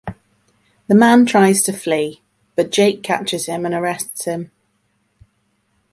The man tries to flee but Jake catches him and arrests him.